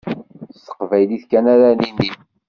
S teqbaylit kan ara nili.